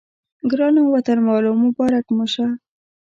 ګرانو وطنوالو مبارک مو شه.